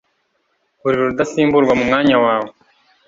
Uri Rudasimburwa mu mwanya wawe.